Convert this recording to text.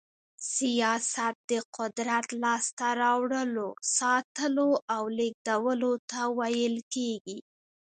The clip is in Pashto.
سياست د قدرت لاسته راوړلو، ساتلو او لېږدولو ته ويل کېږي.